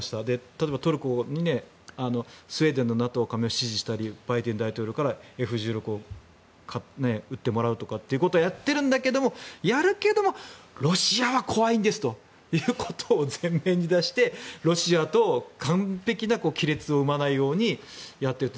例えば、トルコにスウェーデンのＮＡＴＯ加盟を支持したりバイデン大統領からＦ１６を売ってもらうとかということをやってるんだけど、やるけどもロシアは怖いんですということを前面に出してロシアと完璧な亀裂を生まないようにやっている。